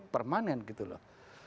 permanen gitu loh